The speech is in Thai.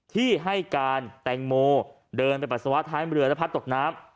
ที่ให้การแตงโมเดินไปปัสสาวะท้ายเรือและพัดตกน้ำ